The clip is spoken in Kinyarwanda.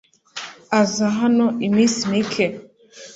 Aza hano iminsi mike .